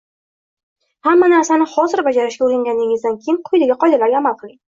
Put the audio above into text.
Hamma narsani hozir bajarishga o’rganganingizdan keyin quyidagi qoidalarga amal qiling